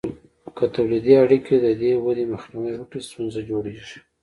که تولیدي اړیکې د دې ودې مخنیوی وکړي، ستونزه جوړیږي.